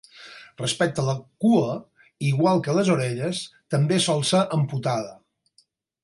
Respecte a la cua, igual que les orelles, també sol ser amputada.